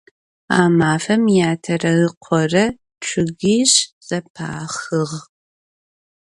A mafem yatere ıkhore ççıgiş zepaxığ.